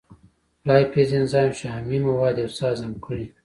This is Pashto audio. لایپیز انزایم شحمي مواد یو څه هضم کړي.